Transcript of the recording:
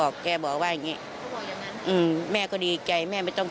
แกบอกว่าอย่างนี้แม่ก็ดีใจแม่ไม่ต้องห่วงผม